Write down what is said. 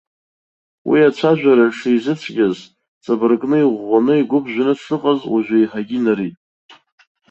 Уи ацәажәара шизыцәгьаз, ҵабыргны иӷәӷәаны игәы ԥжәаны дшыҟаз уажә еиҳагьы инырит.